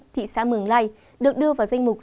thị xã mường lai được đưa vào danh mục